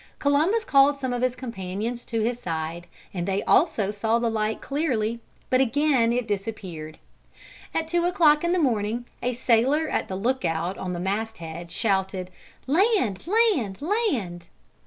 Columbus called some of his companions to his side and they also saw the light clearly. But again it disappeared. At two o'clock in the morning a sailor at the look out on the mast head shouted, "Land! land! land!"